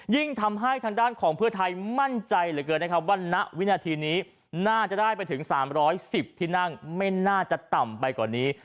ยิ่งทำให้ทางด้านของเพื่อไทยมั่นใจเหลือเกินนะครับว่าณวินาทีนี้น่าจะได้ไปถึง๓๑๐ที่นั่งไม่น่าจะต่ำไปกว่านี้